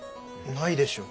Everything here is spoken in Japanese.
ないでしょ。